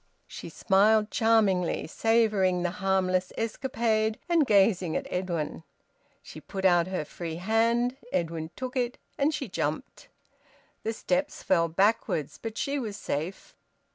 She smiled charmingly, savouring the harmless escapade, and gazing at Edwin. She put out her free hand, Edwin took it, and she jumped. The steps fell backwards, but she was safe.